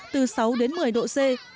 từ sáu đến một mươi độ c